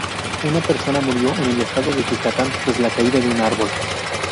Una persona murió en el Estado de Yucatán tras la caída de un árbol.